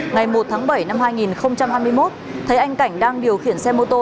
ngày một tháng bảy năm hai nghìn hai mươi một thấy anh cảnh đang điều khiển xe mô tô